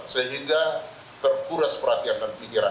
sehingga terkuras perhatian dan pikiran